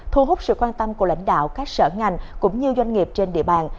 thu hút sự quan tâm của lãnh đạo các sở ngành cũng như doanh nghiệp trên địa bàn